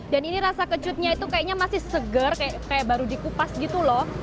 dan ini rasa kecutnya itu kayaknya masih seger kayak baru dikupas gitu loh